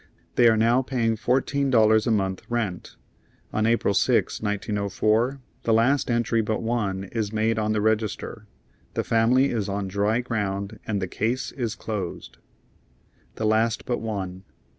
They are now paying fourteen dollars a month rent. On April 6, 1904, the last entry but one is made on the register: the family is on dry ground and the "case is closed." The last but one.